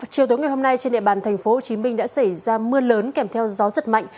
chiều tối ngày hôm nay trên địa bàn tp hcm đã xảy ra mưa lớn kèm theo gió giật mạnh